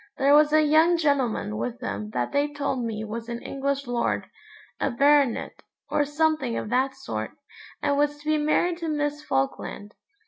There was a young gentleman with them that they told me was an English lord, a baronet, or something of that sort, and was to be married to Miss Falkland.